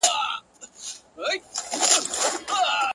ځوانان هڅه کوي هېر کړي ډېر,